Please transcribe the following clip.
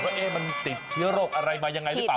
ว่าเอ๊มันติดโรคอะไรมายังไงหรือเปล่า